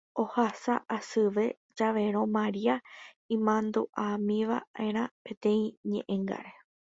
Ohasa asyve javérõ Maria imandu'ámiva'erã peteĩ ñe'ẽngáre